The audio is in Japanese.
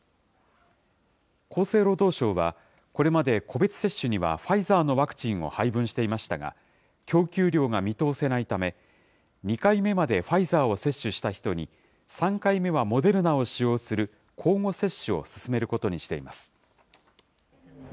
厚生労働省は、これまで個別接種にはファイザーのワクチンを配分していましたが、供給量が見通せないため、２回目までファイザーを接種した人に、３回目はモデルナを使用する、交互接種を進めることにしています。